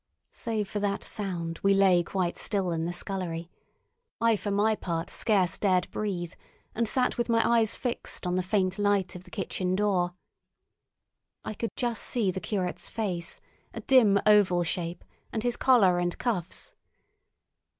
Save for that sound we lay quite still in the scullery; I for my part scarce dared breathe, and sat with my eyes fixed on the faint light of the kitchen door. I could just see the curate's face, a dim, oval shape, and his collar and cuffs.